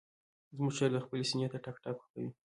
زموږ چرګه خپلې سینې ته ټک ورکوي.